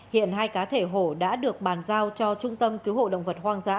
hiện hai cá thể hổ đã được bàn giao cho trung tâm cứu hộ động vật hoang dã